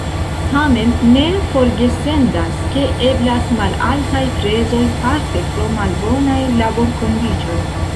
Tamen ne forgesendas, ke eblas malaltaj prezoj parte pro malbonaj laborkondiĉoj.